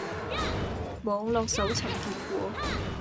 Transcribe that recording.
網絡搜尋結果